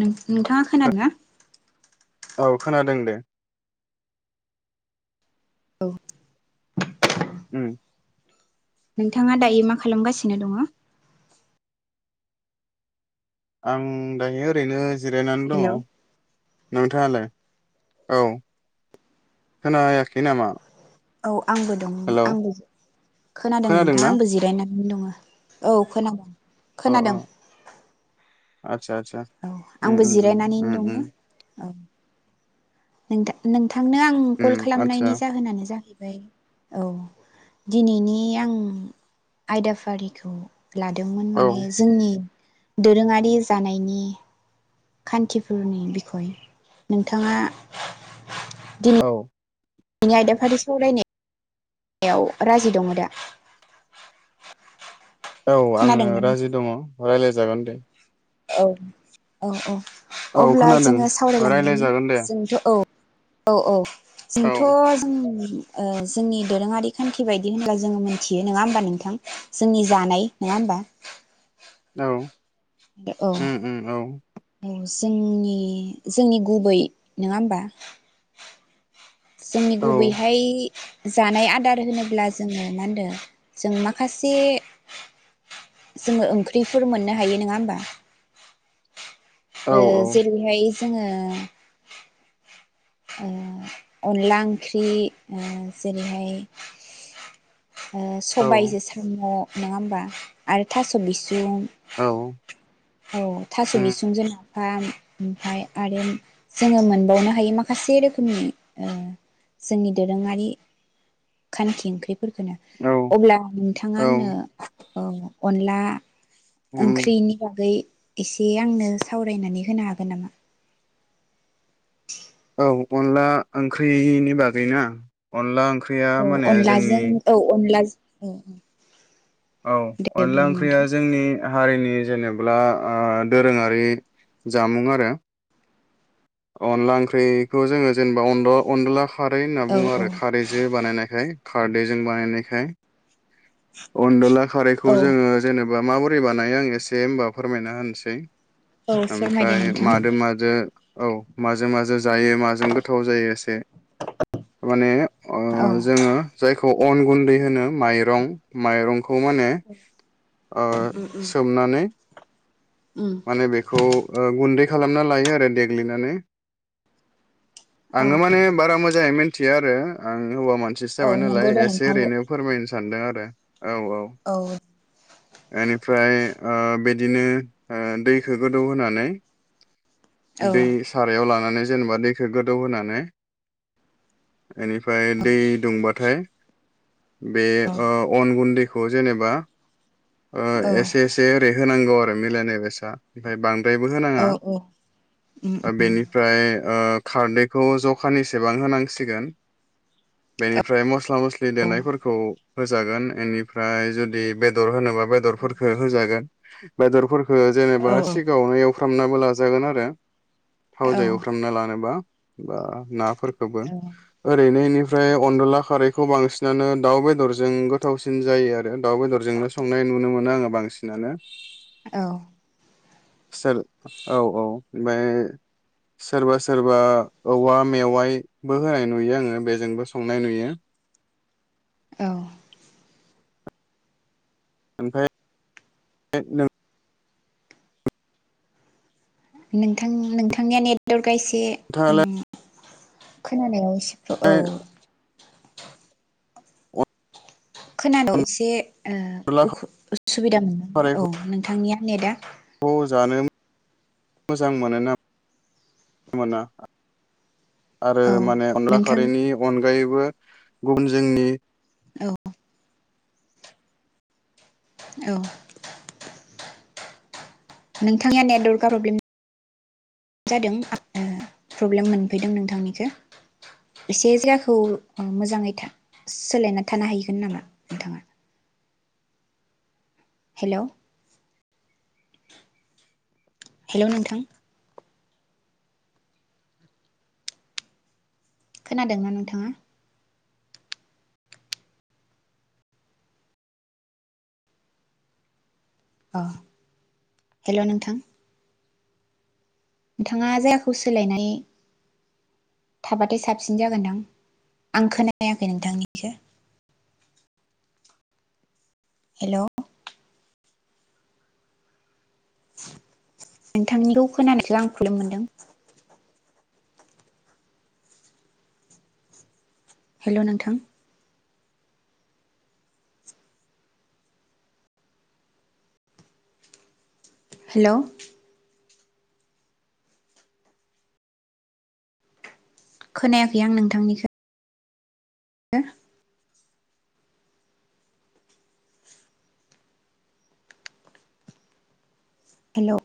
नों नोंथाङा खोनादोना? औ खोनादों दे औ ओम नोंथाङा दायो मा खालामगासिनो दङ? आं दायो ओरैनो जिरायनानै दङ। हेलौ नों थाङालाय? औ खोनायाखै नामा? औ आंबो दं हेलौ आंबो खोनादों नोंथां खोनादोंना आंबो जिरायनानै दङो औ खोनादों अ अ खोनादों आदसा आदसा औ उम आंबो उम जिरायनानैनो उम उम दङो उम औ नोंथा नों थांनो आं उम कल आदसा खालामनायनि जाहोनानो जाहै औ दिनैनि आं आयदाफारिखौ। लादोंमोन औ माने जोंनि। दोरोङारि जानायनि खान्थिफोरनि बिखय नोंथाङा औ । बेनि आयदाफारि सावरायनाय याव राजि दङ दा? औ आङो खोनादोंना नोंथां? राजि दङ । रायज्लाय जागोन दे । औ औ औ औ । अब्ला खोनादों जोङो सावरायलांदोनि रायलायजागोन दे जोंथ' औ औ औ । औ जोंथ' जोंनि ओ जोंनि दोरोङारि खान्थि बायदि होनब्ला जोङो मोनथियो नङा होमबा नोंथां जोंनि जानाय नङा होनबा? औ । उम उम औ । औ जोंनि जोंनि गुबै नङा होमबा? जोंनि औ गुबैहाय जानाय आदार होनोब्ला जोङो मा होनदों जों माखासे जोङो ओंख्रिफोर मोननो हायो नङा होमबा? औ ओ औ जेरैहाय जोङो ओ अनला ओंख्रि ओ जेरैहाय ओ औ सबायजो साम' । नङा होमबा आरो थास' बिसुं औ । औ थास' बिसुंजों ना । फाम ओमफफ्राय आरो जोङो मोनबावनो हायो माखासे रोखोमनि ओ जोंनि दोरोङारि खानखि ओंख्रि । फोरखनो औ अब्ला नोंथाङा औ आंनो औ अनला । उम ओंख्रिनि बागै एसे आंनो सावरायनानै होनो हागोन नामा? [inaudible] औ अनला ओंख्रिनि बागै ना अनलां औ अनलाजों औ अनला जों औ । औ अनला ओंख्रिया जोंनि हारिनि जेनेब्ला ओ दोरोङारि जामुं आरो अनला ओंख्रिखौ जोङो जेनेबा अनल अनला खारै होनना औ बुङो औ आरो खारैजों बानायनायखाय खारदैजों बानायनायखाय अनदला औ खारैखौ जोङो जेनेबा बा माबोरै बानायो आं एसे होनबा फोरमायना होनसै औ फोरमायदो ओमफ्राय नोंथां मादो माजो औ माजों माजों जायो माजों गोथाव जायो एसे माने ओ औ जोङो जाय खौ अन गुन्दै होनो माइरं माइरं खौ माने ओ सोमनानै उम माने बेखौ ओ गुन्दै खालामना लायो आरो देग्लिनानै। औ आङो माने बारा मोजांयै मिन थिया आरो आं हौवा मानसिसो औ जाबाय नालाय नंगौ दे एसे नोंथां ओरैनो फोरमायनो सानदों आरो औ एनिफ्राय ओ बिदिनो ओ दैखौ गोदौ होनानै दै सारायाव लानानै जेनेबा दैखौ गोदौ होनानै बेनिफ्राय दै दुंबाथाय बे अ अन गुन्दैखौ खौ जेनेबा ओ एसे एसे रेहोनां गौ आरो मिलानाय [unintelligible] सा [unintelligible] द्रायबो औ होनाङा बेनिफ्राय ओ खारदैखौ जखानिसेबां होनांसिगोन बेनिफ्राय मस मस्ला मस्लि देनायफोरखौ होजागोन बेनिफ्राय जुदि बेदर होनोबा बेदरफोरखौ होजागोन बेदरफोर खौ जेनेबा औ सिगां आवनो एव फ्राम नाबो लाजागोन आरो थाव जायो एफ्रामना लानोबा बा नाफोरखौबो ओरैनो इनिफ्राय अनदला खारैखौ बांसिनानो दाउ बेदरजों गोथावसिन जायो आरो दाउ बेदरजोंनो संनाय नुनो मोनो आङो बांसिनानो औ सोर औ औ ओमबाय सोरबा सोरबा औवा मेवाइबो होनाय नुयो आङो बेजोंबो संनाय नुयो औ ओमफाय फाय नों नोंथांनिया नोंथांनिया नेटवारक गायसे नोंथाङालाय उम खोनानायाव एस औ खोनादङ एसे ओ अनला उखु उसुबिदा मोनदों औ नोंथांनिया ने दा अ जानो मो मोजां मोनोना मोना? आरो औ माने अनला नोंथां खारैनि अनगायै बो गुबुन जोंनि औ औ नोंथांनिया नेटवर्का प्रब्लेम जादों आप ओ प्रब्लेम मोनफैदों नोंथांनिखो एसे जायगाखौ ओ मोजाङै था सोलायना थानो हाहैगोन नामा नोंथाङा हेऔ हेलौ नोंथां खोनादोंना नोंथाङा? अ हेलौ नोंथां नोंथाङा जायगाखौ सोलायनाय थाबाथाय साबसिन जागोनदां आं खोनायाखै नोंथांनिखो हेलौ नोंथांनिखौ खोनानायखो आं खुलुम मोनदों हेलौ नोंथां हेलौ खोनायाखै आं नोंथांनिखो हेलौ